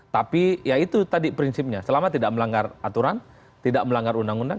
tapi ya itu tadi prinsipnya selama tidak melanggar aturan tidak melanggar undang undang